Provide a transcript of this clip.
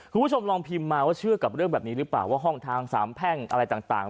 คุณผู้ชมลองพิมพ์มาว่าเชื่อกับเรื่องแบบนี้หรือเปล่าว่าห้องทางสามแพ่งอะไรต่าง